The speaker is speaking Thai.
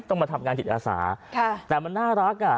ต้องมาทำงานจิตอาสาแต่มันน่ารักอ่ะ